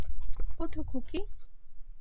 ওঠো, খুকী।